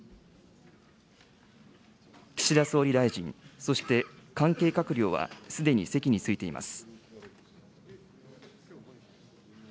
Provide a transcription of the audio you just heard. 岸田総理大臣、そして関係閣僚はすでに席に着いています。